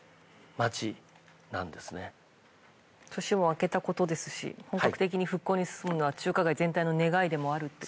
年も明けたことですし本格的に復興に進むのは中華街全体の願いでもある。